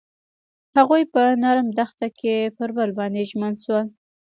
هغوی په نرم دښته کې پر بل باندې ژمن شول.